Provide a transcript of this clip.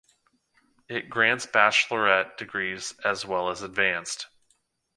It grants baccalaureate degrees as well as advanced.